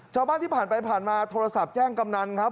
ชาวบ้านที่ผ่านไปผ่านมาโทรศัพท์แจ้งกำนันครับ